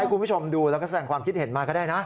คุณผู้ชมดูแล้วก็แสดงความคิดเห็นมาก็ได้นะ